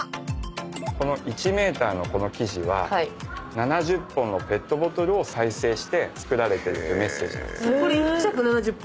１ｍのこの生地は７０本のペットボトルを再生して作られてるってメッセージなんです。